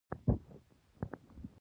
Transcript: پلان یوازې د کار پیل دی